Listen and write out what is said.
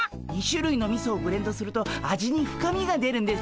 ２しゅるいのみそをブレンドすると味に深みが出るんです。